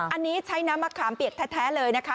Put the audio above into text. อันนี้ใช้น้ำมะขามเปียกแท้เลยนะคะ